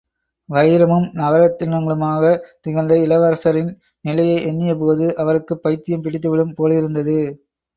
வைரமும் நவரத்தினங்களுமாகத் திகழ்ந்த இளவரசரின் நிலையை எண்ணிய போது அவருக்குப் பைத்தியம் பிடித்துவிடும் போலிருந்தது.